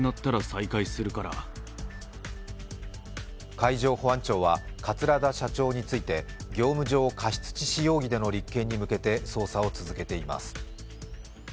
海上保安庁は桂田社長について業務上過失致死容疑での立件に向けて捜査を続けています。